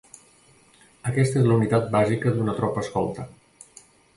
Aquesta és la unitat bàsica d'una tropa escolta.